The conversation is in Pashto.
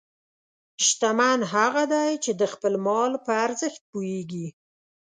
شتمن هغه دی چې د خپل مال په ارزښت پوهېږي.